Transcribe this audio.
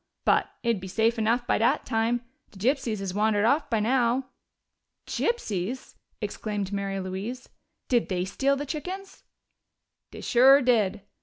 But it'd be safe enough by dat time. De gypsies has wandered off by now." "Gypsies!" exclaimed Mary Louise. "Did they steal the chickens?" "Dey sure did.